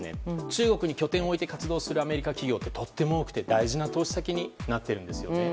中国に拠点を置いて活動するアメリカ企業はとっても多くて大事な投資先になっているんですよね。